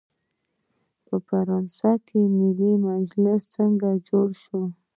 په فرانسه کې ملي مجلس څنګه جوړ شو؟